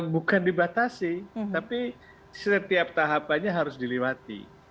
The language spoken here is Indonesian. bukan dibatasi tapi setiap tahapannya harus dilewati